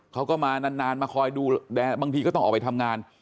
เขาก็มานานมาคอยดูแลบางทีก็ต้องออกไปทำงาน